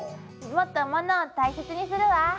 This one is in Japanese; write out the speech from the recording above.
もっと物を大切にするわ。